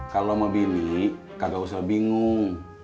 kalau sama bini kagak usah bingung